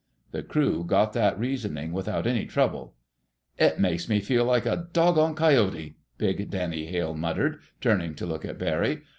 The crew got that reasoning without any trouble. "It makes me feel like a doggone coyote!" big Danny Hale muttered, turning to look at Barry.